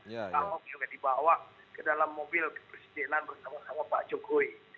pak ahok juga dibawa ke dalam mobil kepresidenan bersama sama pak jokowi